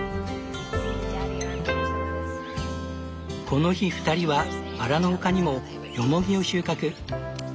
この日２人はバラの他にもヨモギを収穫。